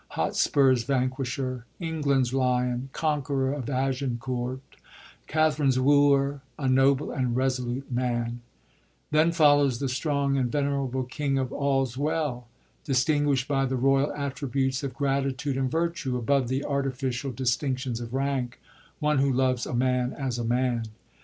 Hotspur's vanquis^ier, England's lion, conqueror of Agincourt, Katharine's wooer, a noble and resolute ma, ji : then follows the strong and venerable king of All '8 WeU, distinguisht by the royal attributes of gratitude and virtue, iibove the artificial distinctions of rank, one who loves a man as a man.